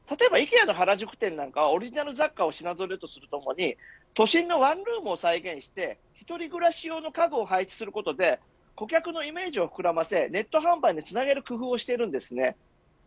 ＩＫＥＡの原宿店などはオリジナル雑貨の品ぞろえがある一方で都心のワンルームを再現して一人暮らし用の家具を配置することで顧客のイメージを膨らませてネット販売につなげる工夫をしています。